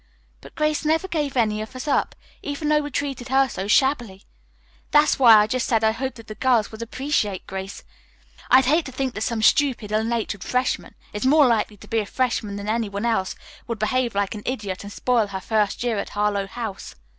But Grace never gave any of us up, even though we treated her so shabbily. That's why I just said I hoped that the girls would appreciate Grace. I'd hate to think that some stupid ill natured freshman, it's more likely to be a freshman than any one else, would behave like an idiot and spoil her first year at Harlowe House."